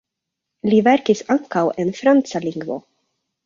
Li verkis ankaŭ en franca lingvo.